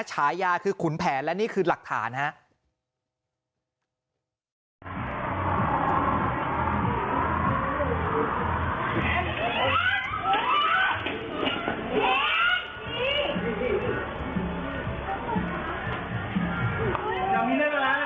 ฉายาคือขุนแผนและนี่คือหลักฐานครับ